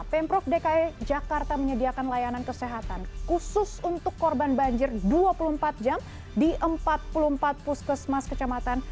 pemprov dki jakarta menyediakan layanan kesehatan khusus untuk korban banjir dua puluh empat jam di empat puluh empat puskesmas kecamatan